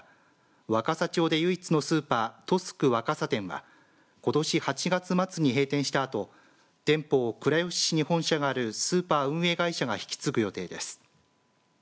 若桜町で唯一のスーパートスク若桜店はことし８月末に閉店したあと店舗を倉吉市に本社があるスーパー運営会社が引き継ぐ予定です。